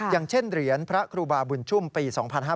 อย่างเช่นเหรียญพระครูบาบุญชุ่มปี๒๕๕๙